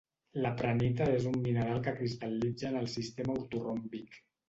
La prehnita és un mineral que cristal·litza en el sistema ortoròmbic.